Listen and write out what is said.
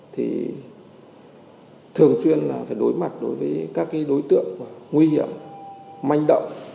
thì thường xuyên là phải đối mặt đối với các đối tượng nguy hiểm manh động